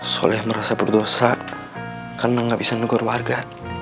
soleh merasa berdosa karena gak bisa negur warga